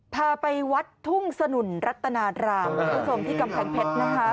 พาไปวัดทุ่งสนุนรัตนารามคุณผู้ชมที่กำแพงเพชรนะคะ